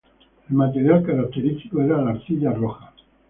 El material característico era la arcilla roja.